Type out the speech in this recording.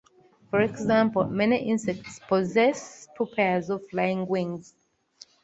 For example, many insects possess two pairs of flying wings.